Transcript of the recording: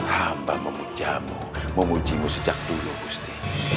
hamba memujamu memuji mu sejak dulu gusti